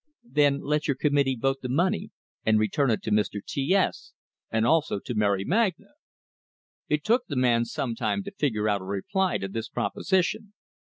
"Then let your committee vote the money, and return it to Mr. T S, and also to Mary Magna." It took the man sometime to figure out a reply to this proposition.